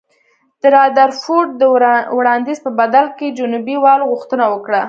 د رادرفورډ د وړاندیز په بدل کې جنوبي والو غوښتنه وکړه.